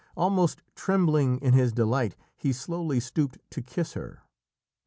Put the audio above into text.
Almost trembling in his delight, he slowly stooped to kiss her.